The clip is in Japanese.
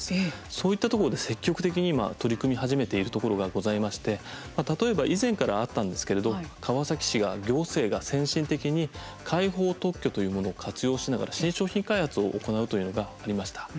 そういったところで、積極的に今取り組み始めているところがございまして、例えば以前からあったんですけれど川崎市が、行政が先進的に開放特許というものを活用しながら新商品開発を行うというのがありました。